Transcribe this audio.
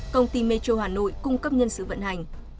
công ty metro hà nội cung cấp nhân sự vận hành